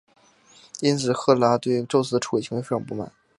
因此赫拉对宙斯的出轨行为非常不满。